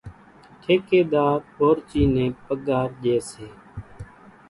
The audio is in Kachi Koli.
ٺڪيۮار ڀورچِي نين پڳار ڄيَ سي۔